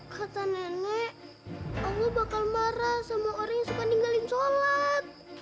kata nenek aku bakal marah sama orang yang suka ninggalin sholat